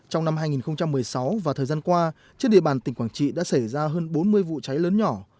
trong năm hai nghìn một mươi sáu và thời gian qua trên địa bàn tỉnh quảng trị đã xảy ra hơn bốn mươi vụ cháy lớn nhỏ